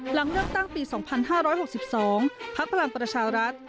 หลังเลือกตั้งปี๒๕๖๒พักพลังประชารัฐ